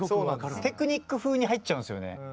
テクニックふうに入っちゃうんですよね。